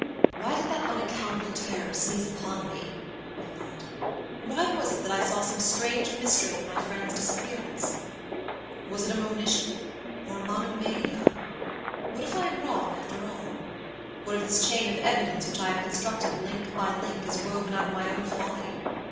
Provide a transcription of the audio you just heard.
"Why did that unaccountable terror seize upon me," he thought. "Why was it that I saw some strange mystery in my friend's disappearance? Was it a monition, or a monomania? What if I am wrong after all? What if this chain of evidence which I have constructed link by link, is woven out of my own folly?